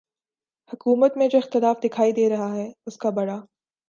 حکومت میں جو اختلاف دکھائی دے رہا ہے اس کا بڑا